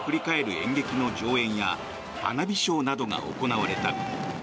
演劇の上演や花火ショーなどが行われた。